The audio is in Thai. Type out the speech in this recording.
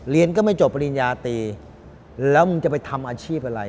เรียนก็ไม่จบปริญญาตีแล้วมึงจะไปทำอาชีพอะไร